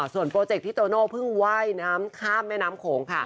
ส่วนโปรเจคที่โตโน่เพิ่งว่ายน้ำข้ามแม่น้ำโขงค่ะ